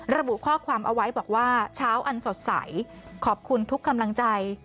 ระบุข้อความเอาไว้บอกว่าเช้าอันสดใสขอบคุณทุกกำลังใจ